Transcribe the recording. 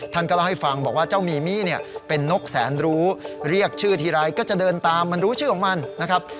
ท่านก็เล่าให้ฟังบอกว่าเจ้ามีมี่เนี่ยเป็นนกแสนรู้เรียกชื่อทีไรก็จะเดินตามมันรู้ชื่อของมันนะครับ